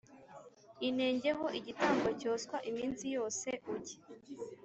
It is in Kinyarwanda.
Inenge ho igitambo cyoswa iminsi yose ujye